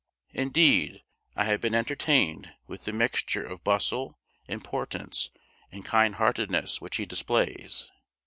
Indeed I have been entertained with the mixture of bustle, importance, and kindheartedness which he displays.